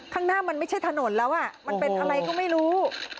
ข้างหน้ามันไม่ใช่ถนนแล้วมันเป็นอะไรก็ไม่รู้